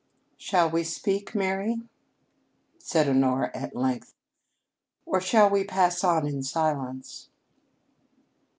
"Shall we speak, Mary," said Honora at length. "Or shall we pass on in silence?"